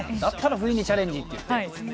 だったら冬にチャレンジって。